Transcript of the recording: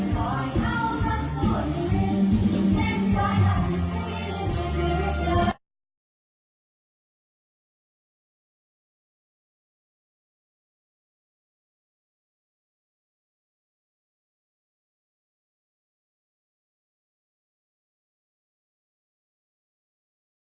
โปรดติดตามตอนต่อไป